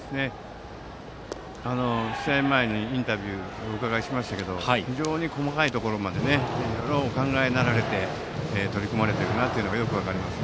試合前にインタビューを伺いましたけども非常に細かいところまでいろいろお考えになられて取り組まれていることがよく分かります。